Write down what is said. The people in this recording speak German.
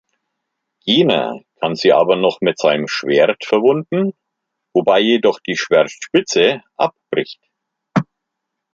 Jener kann sie aber noch mit seinem Schwert verwunden, wobei jedoch die Schwertspitze abbricht.